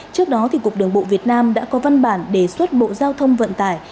trước đó cục đường bộ việt nam đã có văn bản đề xuất bộ giao thông vận tải